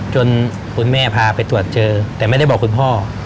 คุณแม่พาไปตรวจเจอแต่ไม่ได้บอกคุณพ่อ